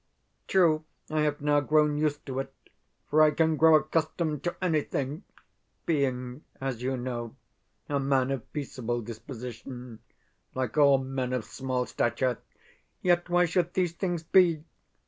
True, I have now grown used to it, for I can grow accustomed to anything (being, as you know, a man of peaceable disposition, like all men of small stature) yet why should these things be?